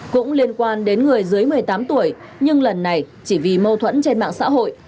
cũng liên quan đến người dưới một mươi tám tuổi nhưng lần này chỉ vì mâu thuẫn trên mạng xã hội